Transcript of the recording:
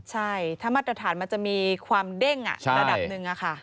ใช่ถ้ามาตรฐานมันจะมีความเด้งระดับหนึ่ง